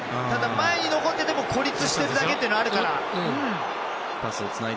前に残っていても孤立しているだけというのがあるから。